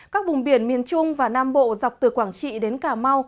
các vùng biển miền trung và nam bộ dọc từ quảng trị đến cà mau